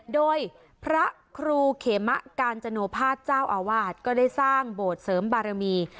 โดยพระครูเขมะกาญจโนภาษเจ้าอาวาสก็ได้สร้างโบสถ์เสริมบารมี